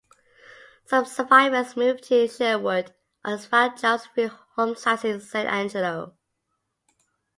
Some survivors moved to Sherwood; others found jobs and free homesites in San Angelo.